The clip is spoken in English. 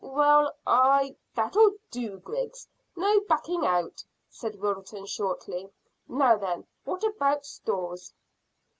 "Well, I " "That'll do, Griggs; no backing out," said Wilton shortly. "Now then, what about stores?"